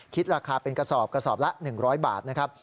คิดราคาเป็นกระสอบกระสอบละ๑๐๐บาทนะครับ